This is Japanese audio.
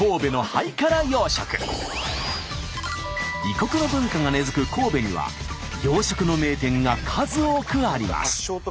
異国の文化が根づく神戸には洋食の名店が数多くあります。